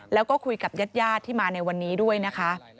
แล้วก็คุยกับญาติที่มาในวันนี้ด้วยนะคะ